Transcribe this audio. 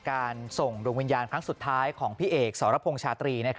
ส่งดวงวิญญาณครั้งสุดท้ายของพี่เอกสรพงษ์ชาตรี